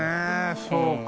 そうか。